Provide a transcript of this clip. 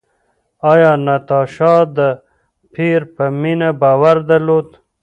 ایا ناتاشا د پییر په مینه باور درلود؟